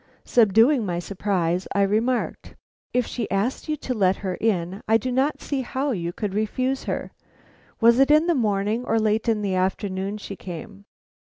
Subduing my surprise, I remarked: "If she asked you to let her in, I do not see how you could refuse her. Was it in the morning or late in the afternoon she came?"